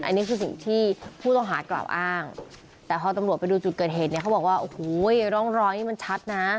อันนี้คือสิ่งที่ผู้ต้องหากล่าวอ้างแต่พอตำรวจไปดูจุดเกิดเหตุเนี่ยเขาบอกว่าโอ้โหร่องรอยนี่มันชัดนะ